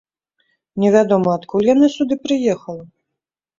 Невядома, адкуль яна сюды прыехала?